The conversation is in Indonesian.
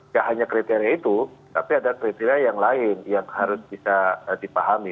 ya hanya kriteria itu tapi ada kriteria yang lain yang harus bisa dipahami